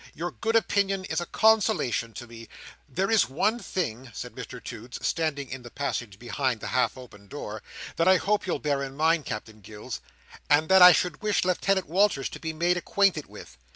Your good opinion is a consolation to me. There is one thing," said Mr Toots, standing in the passage, behind the half opened door, "that I hope you'll bear in mind, Captain Gills, and that I should wish Lieutenant Walters to be made acquainted with.